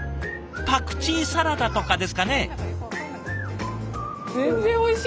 パクチーサラダとかですかね？